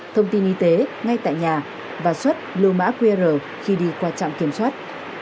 thông tin y tế ngay tại nhà và xuất lưu mã qr khi đi qua trạm kiểm soát